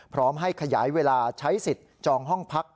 พร้อมให้ขยายเวลาใช้สิทธิ์จองห้องพัก